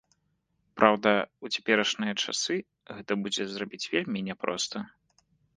Праўда, у цяперашнія часы гэта будзе зрабіць вельмі няпроста.